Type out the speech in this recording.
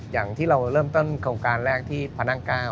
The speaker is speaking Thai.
อย่างที่เราเริ่มต้นโครงการแรกที่พระนั่ง๙